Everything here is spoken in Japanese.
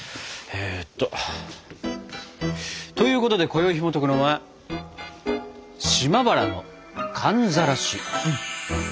えっと。ということでこよいひもとくのは「島原の寒ざらし」。